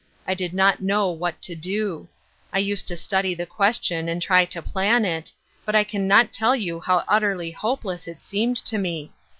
I did not know what to do. I used to study the ques tion and try to plan it, but I can not tell yo^i how utterly hopeless it seemed to me.